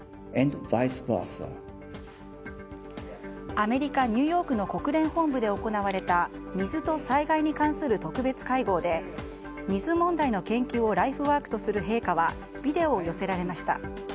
アメリカ・ニューヨークの国連本部で行われた水と災害に関する特別会合で水問題の研究をライフワークとする陛下はビデオを寄せられました。